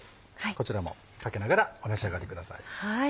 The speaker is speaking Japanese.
こちらもかけながらお召し上がりください。